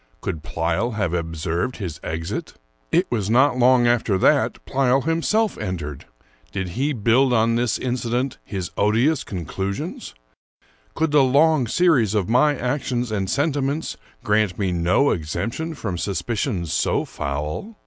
Could Pleyel have observed his exit? It was not long after that Pleyel himself entered. Did he build on this incident his odious conclusions? Could the long series of my actions and sentiments grant me no exemption from suspicions so foul?